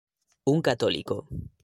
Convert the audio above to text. Un católico.